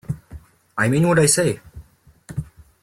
I mean what I say.